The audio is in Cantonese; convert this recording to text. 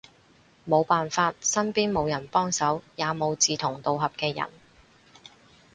無辦法，身邊無人幫手，也無志同道合嘅人